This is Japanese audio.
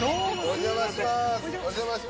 お邪魔しまーす。